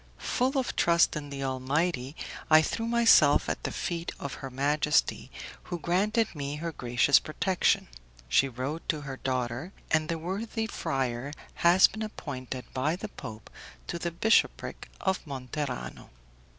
"Full of trust in the Almighty, I threw myself at the feet of her majesty, who granted me her gracious protection. She wrote to her daughter, and the worthy friar has been appointed by the Pope to the bishopric of Monterano.